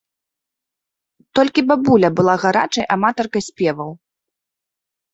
Толькі бабуля была гарачай аматаркай спеваў.